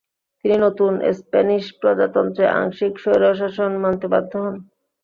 তিনি নতুন স্প্যানিশ প্রজাতন্ত্রে আংশিক স্বৈরশাসন মানতে নাধ্য হন।